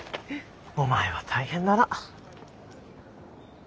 お前は大変だな。